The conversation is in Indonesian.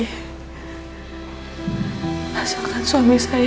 maksud pasa orang not movement dari saya